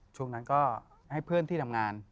ช่วงนั้นก็ให้เพื่อนที่ทำงาน